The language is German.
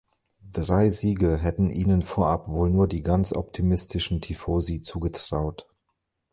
Drei Siege hätten ihnen vorab wohl nur die ganz optimistischen Tifosi zugetraut.